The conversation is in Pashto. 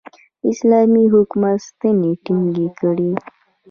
اسلامي حکومت ستنې ټینګې کړې.